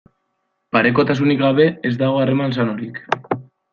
Parekotasunik gabe ez dago harreman sanorik.